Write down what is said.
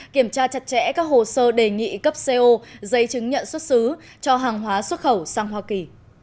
kiểm tra chặt chẽ các hồ sơ đề nghị cấp co giấy chứng nhận xuất xứ cho hàng hóa xuất khẩu sang hoa kỳ